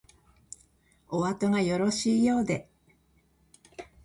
おあとがよろしいようで